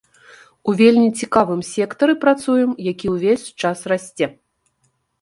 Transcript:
У вельмі цікавым сектары працуем, які ўвесь час расце.